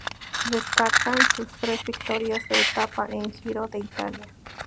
Destacan sus tres victorias de etapa en el Giro de Italia.